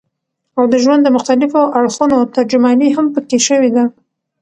او د ژوند د مختلفو اړخونو ترجماني هم پکښې شوې ده